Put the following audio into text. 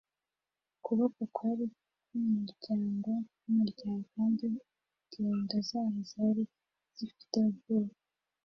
ukuboko kwari kumuryango wumuryango kandi ingendo zayo zari zifite ubwoba